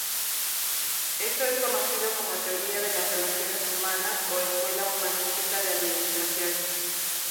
Esto es conocido como "teoría de las relaciones humanas" o "escuela humanística de administración".